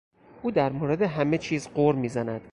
او در مورد همه چیز غر میزند.